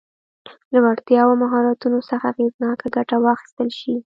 له وړتیاوو او مهارتونو څخه اغېزناکه ګټه واخیستل شي.